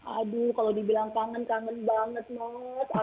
aduh kalau dibilang kangen kangen banget not